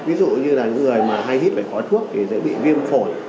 ví dụ như là những người mà hay hít phải khói thuốc thì dễ bị viêm phổi